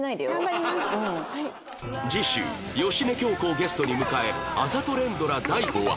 次週芳根京子をゲストに迎えあざと連ドラ第５話